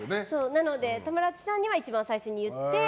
なので、田村淳さんには一番最初に言って。